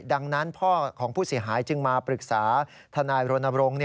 ดังนั้นพ่อของผู้เสียหายจึงมาปรึกษาทนายรณรงค์